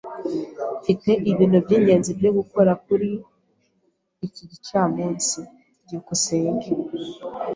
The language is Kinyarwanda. Mfite ibintu by'ingenzi byo gukora kuri iki gicamunsi. byukusenge